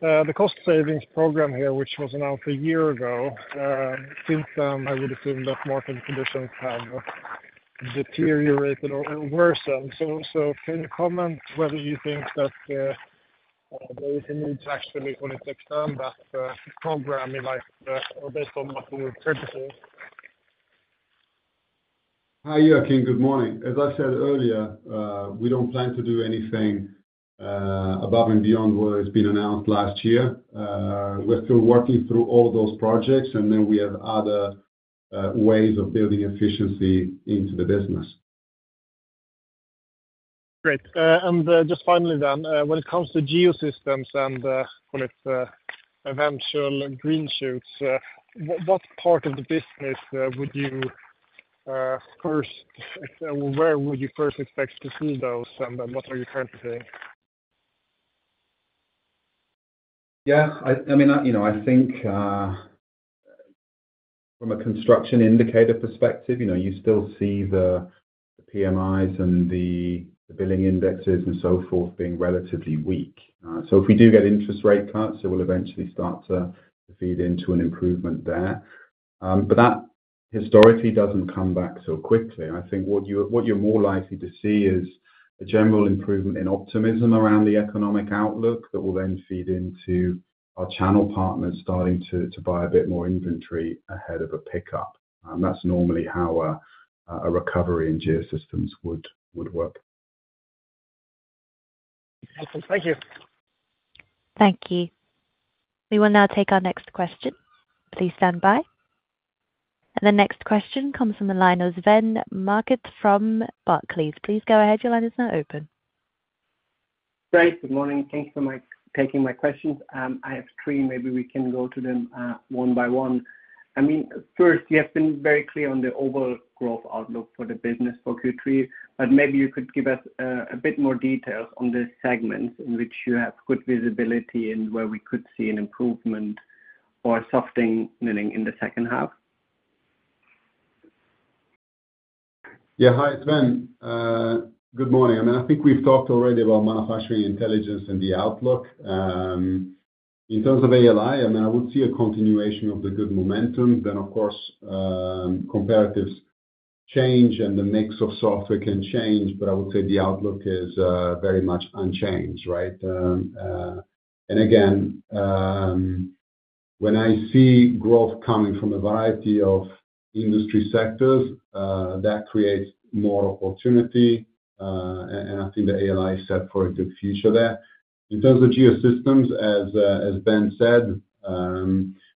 the cost savings program here, which was announced a year ago, since I would assume that market conditions have deteriorated or worsened. Can you comment whether you think that there is a need to actually fully take down that program based on what you were predicting? Hi, Joachim. Good morning. As I said earlier, we don't plan to do anything above and beyond what has been announced last year. We're still working through all those projects, and then we have other ways of building efficiency into the business. Great. And just finally then, when it comes to Geosystems and kind of eventual green shoots, what part of the business would you first expect to see those, and what are you currently seeing? Yeah. I mean, I think from a construction indicator perspective, you still see the PMIs and the billing indexes and so forth being relatively weak. So if we do get interest rate cuts, it will eventually start to feed into an improvement there. But that historically doesn't come back so quickly. I think what you're more likely to see is a general improvement in optimism around the economic outlook that will then feed into our channel partners starting to buy a bit more inventory ahead of a pickup. That's normally how a recovery in Geosystems would work. Excellent. Thank you. Thank you. We will now take our next question. Please stand by. The next question comes from the line of Sven Merkt from Barclays. Please go ahead. Your line is now open. Great. Good morning. Thank you for taking my questions. I have three. Maybe we can go to them one by one. I mean, first, you have been very clear on the overall growth outlook for the business for Q3, but maybe you could give us a bit more details on the segments in which you have good visibility and where we could see an improvement or a softening in the second half? Yeah. Hi, Sven. Good morning. I mean, I think we've talked already about manufacturing intelligence and the outlook. In terms of ALI, I mean, I would see a continuation of the good momentum. Then, of course, comparatives change and the mix of software can change, but I would say the outlook is very much unchanged, right? And again, when I see growth coming from a variety of industry sectors, that creates more opportunity, and I think the ALI is set for a good future there. In terms of Geosystems, as Ben said,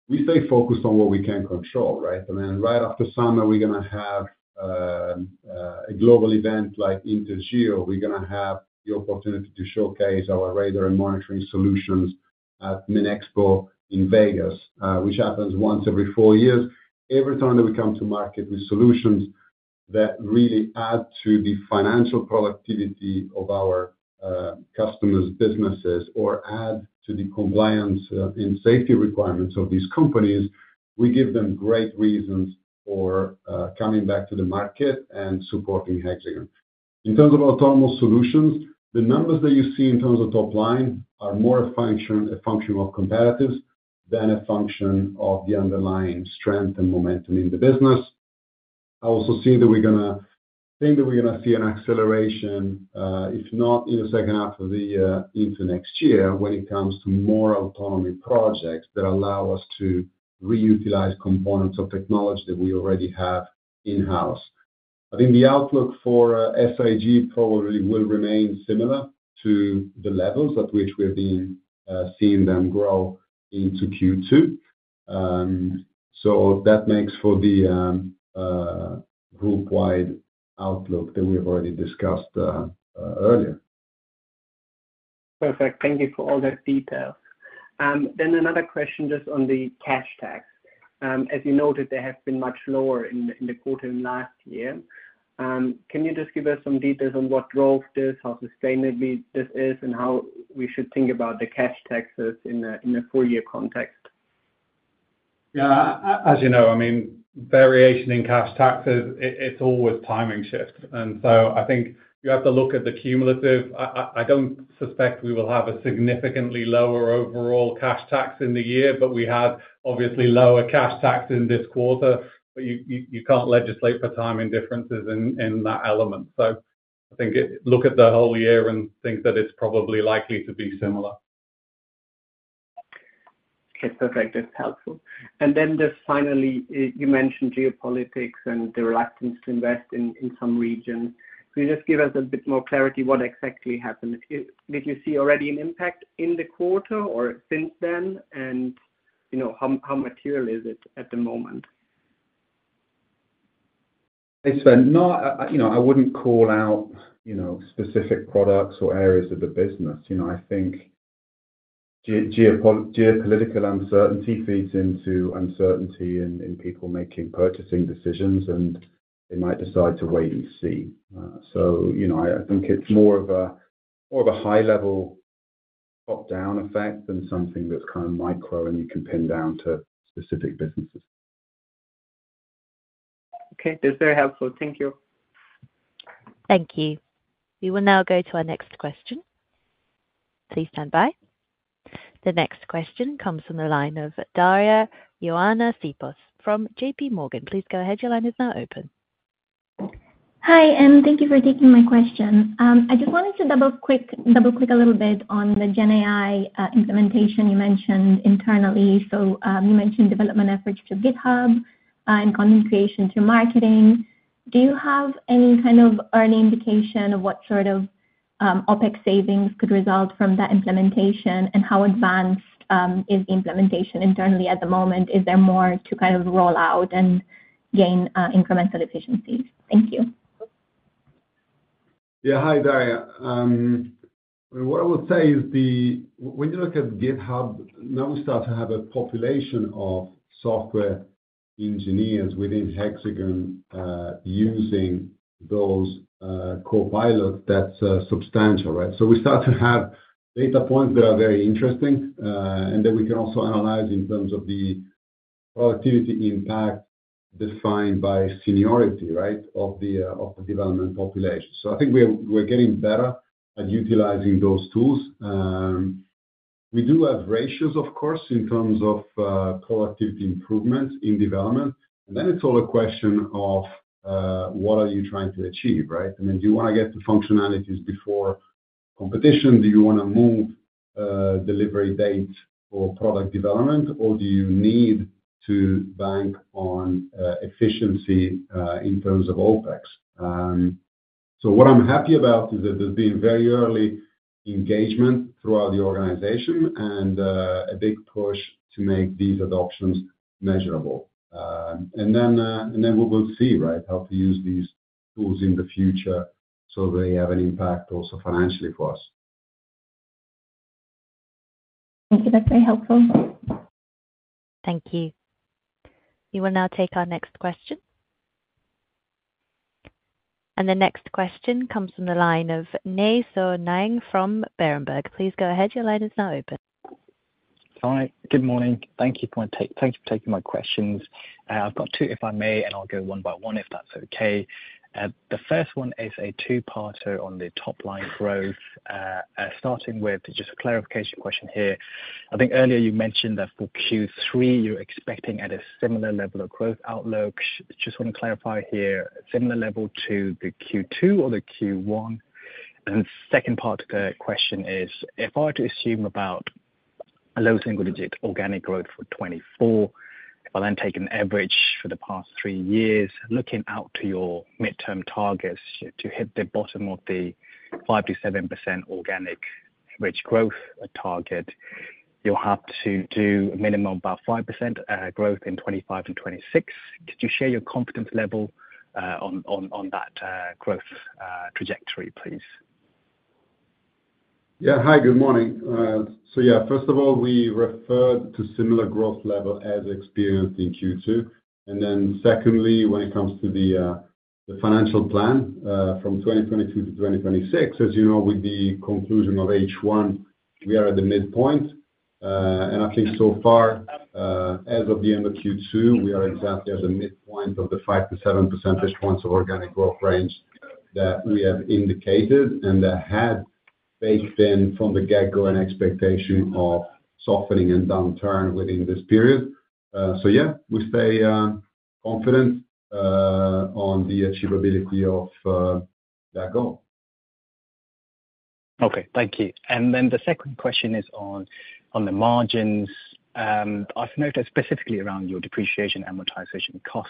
we stay focused on what we can control, right? I mean, right after summer, we're going to have a global event like InterGeo. We're going to have the opportunity to showcase our radar and monitoring solutions at MINExpo in Vegas, which happens once every four years. Every time that we come to market with solutions that really add to the financial productivity of our customers' businesses or add to the compliance and safety requirements of these companies, we give them great reasons for coming back to the market and supporting Hexagon. In terms of autonomous solutions, the numbers that you see in terms of top line are more a function of comparatives than a function of the underlying strength and momentum in the business. I also see that we're going to think that we're going to see an acceleration, if not in the second half of the year into next year, when it comes to more autonomy projects that allow us to reutilize components of technology that we already have in-house. I think the outlook for SIG probably will remain similar to the levels at which we have been seeing them grow into Q2. So that makes for the group-wide outlook that we have already discussed earlier. Perfect. Thank you for all the details. Another question just on the cash tax. As you noted, they have been much lower in the quarter last year. Can you just give us some details on what growth is, how sustainable this is, and how we should think about the cash taxes in a four-year context? Yeah. As you know, I mean, variation in cash taxes, it's always timing shifts. And so I think you have to look at the cumulative. I don't suspect we will have a significantly lower overall cash tax in the year, but we had obviously lower cash tax in this quarter. But you can't legislate for timing differences in that element. So I think look at the whole year and think that it's probably likely to be similar. Okay. Perfect. That's helpful. And then just finally, you mentioned geopolitics and the reluctance to invest in some regions. Can you just give us a bit more clarity what exactly happened? Did you see already an impact in the quarter or since then, and how material is it at the moment? Thanks, Sven. No, I wouldn't call out specific products or areas of the business. I think geopolitical uncertainty feeds into uncertainty in people making purchasing decisions, and they might decide to wait and see. So I think it's more of a high-level top-down effect than something that's kind of micro and you can pin down to specific businesses. Okay. That's very helpful. Thank you. Thank you. We will now go to our next question. Please stand by. The next question comes from the line of Daria Sipos from JPMorgan. Please go ahead. Your line is now open. Hi, and thank you for taking my question. I just wanted to double-click a little bit on the GenAI implementation you mentioned internally. So you mentioned development efforts to GitHub and content creation through marketing. Do you have any kind of early indication of what sort of OpEx savings could result from that implementation, and how advanced is the implementation internally at the moment? Is there more to kind of roll out and gain incremental efficiencies? Thank you. Yeah. Hi, Daria. What I would say is when you look at GitHub, now we start to have a population of software engineers within Hexagon using those copilots that's substantial, right? So we start to have data points that are very interesting, and then we can also analyze in terms of the productivity impact defined by seniority, right, of the development population. So I think we're getting better at utilizing those tools. We do have ratios, of course, in terms of productivity improvements in development. And then it's all a question of what are you trying to achieve, right? I mean, do you want to get the functionalities before competition? Do you want to move delivery dates for product development, or do you need to bank on efficiency in terms of OpEx? What I'm happy about is that there's been very early engagement throughout the organization and a big push to make these adoptions measurable. Then we will see, right, how to use these tools in the future so they have an impact also financially for us. Thank you. That's very helpful. Thank you. We will now take our next question. The next question comes from the line of Nay Soe Naing from Berenberg. Please go ahead. Your line is now open. Hi. Good morning. Thank you for taking my questions. I've got two, if I may, and I'll go one by one if that's okay. The first one is a two-parter on the top-line growth. Starting with just a clarification question here. I think earlier you mentioned that for Q3, you're expecting at a similar level of growth outlook. Just want to clarify here, similar level to the Q2 or the Q1? And second part of the question is, if I were to assume about low single-digit organic growth for 2024, if I then take an average for the past three years, looking out to your midterm targets to hit the bottom of the 5%-7% organic average growth target, you'll have to do a minimum about 5% growth in 2025 and 2026. Could you share your confidence level on that growth trajectory, please? Yeah. Hi, good morning. So yeah, first of all, we refer to similar growth level as experienced in Q2. And then secondly, when it comes to the financial plan from 2022 to 2026, as you know, with the conclusion of H1, we are at the midpoint. And I think so far, as of the end of Q2, we are exactly at the midpoint of the 5-7 percentage points of organic growth range that we have indicated and that had baked in from the get-go an expectation of softening and downturn within this period. So yeah, we stay confident on the achievability of that goal. Okay. Thank you. And then the second question is on the margins. I've noticed specifically around your depreciation amortization cost.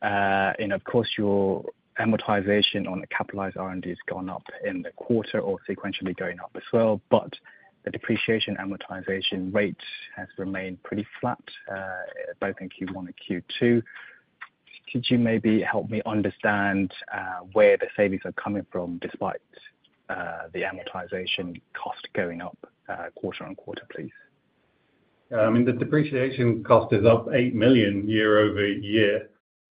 And of course, your amortization on the capitalized R&D has gone up in the quarter or sequentially going up as well, but the depreciation amortization rate has remained pretty flat both in Q1 and Q2. Could you maybe help me understand where the savings are coming from despite the amortization cost going up quarter on quarter, please? Yeah. I mean, the depreciation cost is up 8 million year-over-year.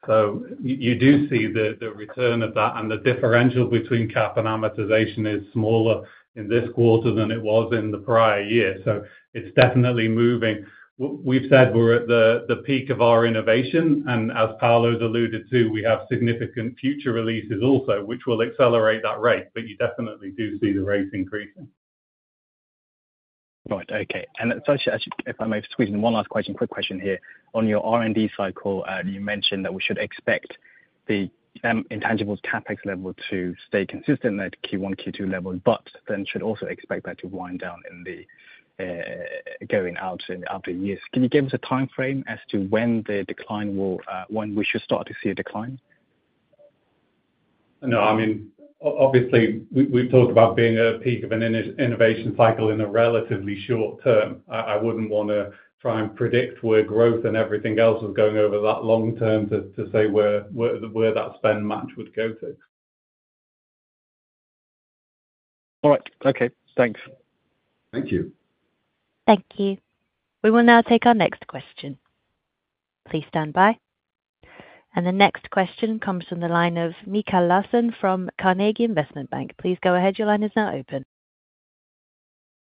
So you do see the return of that, and the differential between cap and amortization is smaller in this quarter than it was in the prior year. So it's definitely moving. We've said we're at the peak of our innovation, and as Paolo's alluded to, we have significant future releases also, which will accelerate that rate, but you definitely do see the rate increasing. Right. Okay. And if I may squeeze in one last question, quick question here. On your R&D cycle, you mentioned that we should expect the intangibles CapEx level to stay consistent at Q1, Q2 level, but then should also expect that to wind down in the outer years. Can you give us a timeframe as to when the decline will, when we should start to see a decline? No. I mean, obviously, we've talked about being at a peak of an innovation cycle in a relatively short term. I wouldn't want to try and predict where growth and everything else was going over that long term to say where that spend match would go to. All right. Okay. Thanks. Thank you. Thank you. We will now take our next question. Please stand by. The next question comes from the line of Mikael Laséen from Carnegie Investment Bank. Please go ahead. Your line is now open.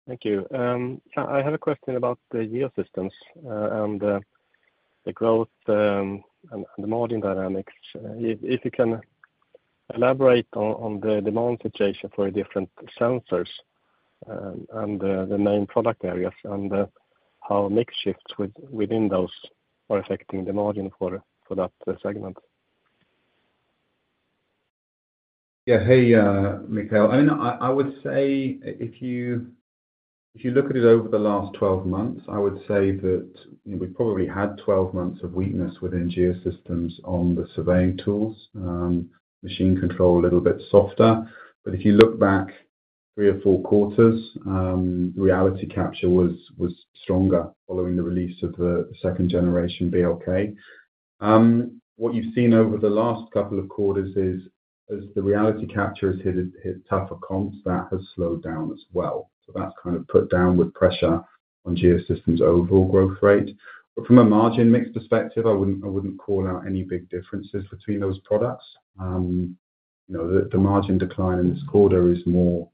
Thank you. I have a question about the Geosystems and the growth and the margin dynamics. If you can elaborate on the demand situation for different sensors and the main product areas and how mix shifts within those are affecting the margin for that segment? Yeah. Hey, Mikael. I mean, I would say if you look at it over the last 12 months, I would say that we probably had 12 months of weakness within Geosystems on the surveying tools. Machine control a little bit softer. But if you look back three or four quarters, reality capture was stronger following the release of the second-generation BLK. What you've seen over the last couple of quarters is as the reality capture has hit tougher comps, that has slowed down as well. So that's kind of put downward pressure on Geosystems' overall growth rate. But from a margin mix perspective, I wouldn't call out any big differences between those products. The margin decline in this quarter is more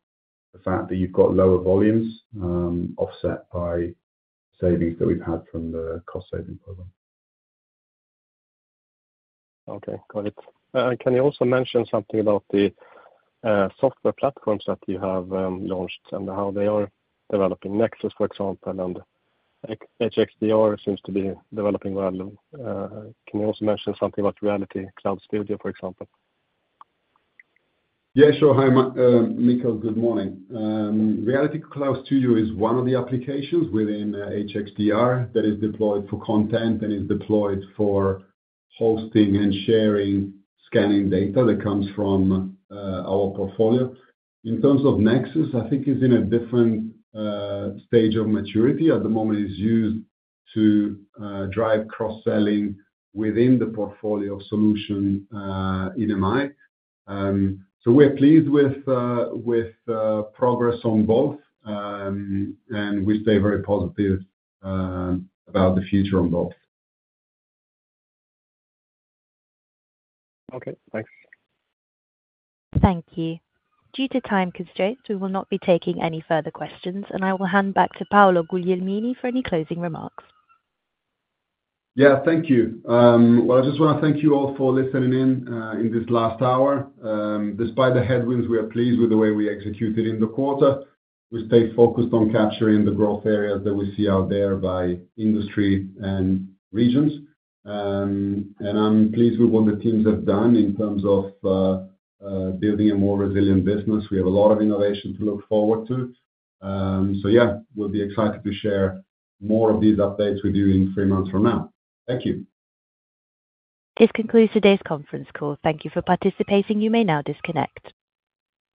the fact that you've got lower volumes offset by savings that we've had from the cost-saving program. Okay. Got it. Can you also mention something about the software platforms that you have launched and how they are developing? Nexus, for example, and HXDR seems to be developing well. Can you also mention something about Reality Cloud Studio, for example? Yeah. Sure. Hi, Mikael. Good morning. Reality Cloud Studio is one of the applications within HXDR that is deployed for content and is deployed for hosting and sharing scanning data that comes from our portfolio. In terms of Nexus, I think it's in a different stage of maturity. At the moment, it's used to drive cross-selling within the portfolio of solution at MI. So we're pleased with progress on both, and we stay very positive about the future on both. Okay. Thanks. Thank you. Due to time constraints, we will not be taking any further questions, and I will hand back to Paolo Guglielmini for any closing remarks. Yeah. Thank you. Well, I just want to thank you all for listening in in this last hour. Despite the headwinds, we are pleased with the way we executed in the quarter. We stay focused on capturing the growth areas that we see out there by industry and regions. And I'm pleased with what the teams have done in terms of building a more resilient business. We have a lot of innovation to look forward to. So yeah, we'll be excited to share more of these updates with you in three months from now. Thank you. This concludes today's conference call. Thank you for participating. You may now disconnect.